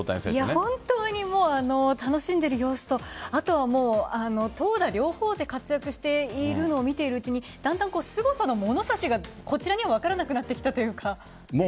本当に楽しんでいる様子とあとは投打両方で活躍しているのを見ているうちにだんだん、すごさの物差しがこちらにも分からなくなってきたというか。